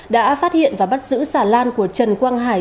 đã phát hiện và bắt giữ xà lan của trần quang hải